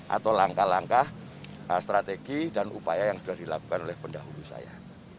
atau langkah langkah strategi dan upaya yang sudah dilakukan oleh pendahulu saya